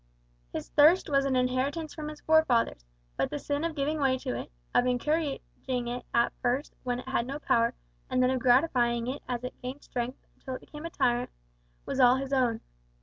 His thirst was an inheritance from his forefathers, but the sin of giving way to it of encouraging it at first when it had no power, and then of gratifying it as it gained strength, until it became a tyrant was all his own.